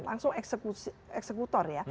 langsung eksekutif eksekutor ya